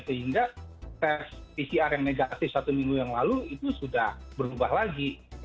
sehingga tes pcr yang negatif satu minggu yang lalu itu sudah berubah lagi